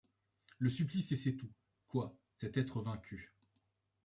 Le supplice, et c’est tout ! quoi, cet être vaincu